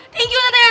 thank you tante ya